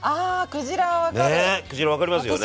クジラは分かりますよね。